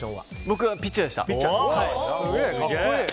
僕はピッチャーでした。